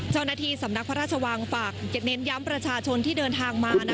เจ้าหน้าที่สำนักพระราชวังฝากเน้นย้ำประชาชนที่เดินทางมา